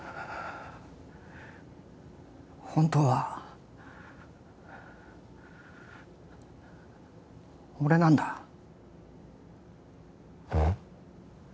本当は俺なんだうん？